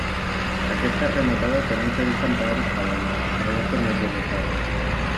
Aquesta és rematada per un petit campanar d'espadanya coronat per una creu de ferro.